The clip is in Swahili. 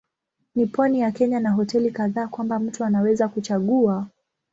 Ni pwani ya Kenya na hoteli kadhaa kwamba mtu anaweza kuchagua.